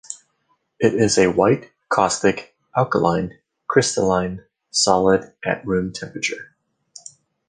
It is a white, caustic, alkaline, crystalline solid at room temperature.